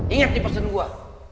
ingat nih pesen gue